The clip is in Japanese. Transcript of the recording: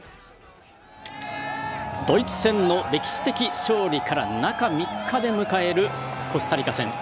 ドイツ戦の歴史的勝利から中３日で迎えるコスタリカ戦。